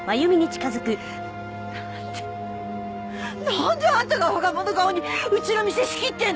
何で何であんたが我が物顔にうちの店仕切ってんの？